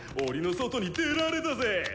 檻の外に出られたぜ！